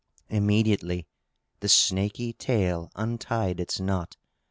Immediately the snaky tail untied its knot.